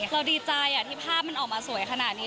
เราดีใจที่ภาพมันออกมาสวยขนาดนี้